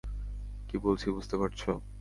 কী বলছি বুঝতে পারছ?